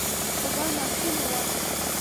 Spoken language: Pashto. خو دا ناشونې وه.